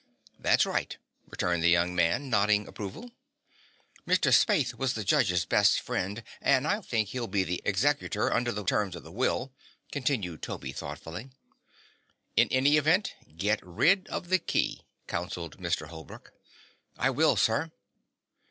"That's right," returned the young man, nodding approval. "Mr. Spaythe was the judge's best friend and I think he'll be the executor, under the terms of the will," continued Toby, thoughtfully. "In any event, get rid of the key," counseled Mr. Holbrook. "I will, sir."